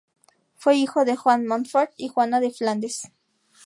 Fue hijo de Juan de Montfort y Juana de Flandes.